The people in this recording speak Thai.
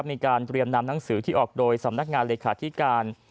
มีการเตรียมนำหนังสือที่ออกโดยสำนักงานเลขาธิการ